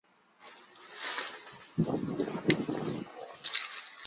另有说法他是景文王庶子。